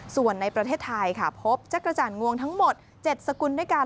ส่วนในประเทศไทยค่ะพบจักรจันทร์งวงทั้งหมด๗สกุลด้วยกัน